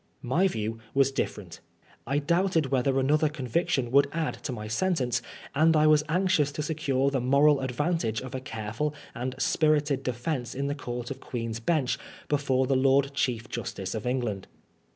My view was different. I doubted whether another conviction would add to my sentence, and I was anxious to secure the moral advantage of a careful and spirited defence in the Court of Queen's Bench before the Lord Chief Justice of England.